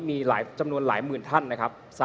มีจำนวนหลายหมื่นท่านนะครับ